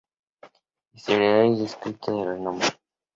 Historiador y escritor de renombre.